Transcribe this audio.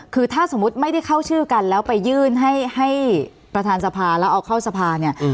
คือถ้าสมมุติไม่ได้เข้าชื่อกันแล้วไปยื่นให้ประธานสภาแล้วเอาเข้าสภาเนี่ย